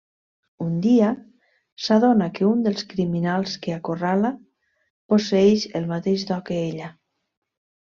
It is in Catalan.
Un dia, s'adona que un dels criminals que acorrala posseeix el mateix do que ella.